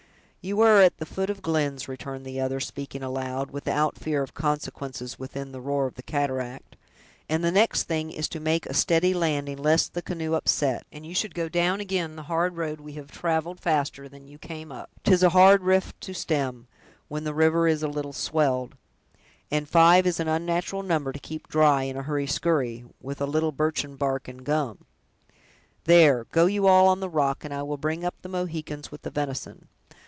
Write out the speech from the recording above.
"You are at the foot of Glenn's," returned the other, speaking aloud, without fear of consequences within the roar of the cataract; "and the next thing is to make a steady landing, lest the canoe upset, and you should go down again the hard road we have traveled faster than you came up; 'tis a hard rift to stem, when the river is a little swelled; and five is an unnatural number to keep dry, in a hurry skurry, with a little birchen bark and gum. There, go you all on the rock, and I will bring up the Mohicans with the venison.